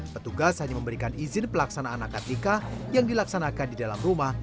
petugas hanya memberikan izin pelaksanaan akad nikah yang dilaksanakan di dalam rumah